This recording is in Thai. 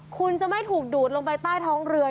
คุณจะไม่ถูกดูดลงไปใต้ท้องเรือ